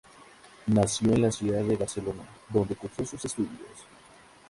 Nació en la ciudad de Barcelona, donde cursó sus estudios.